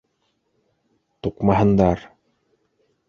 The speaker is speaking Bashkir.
Туҡмаһындар!